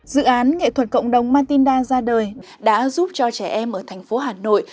dự án nghệ thuật cộng đồng matinda ra đời đã giúp cho trẻ em ở thành phố hà nội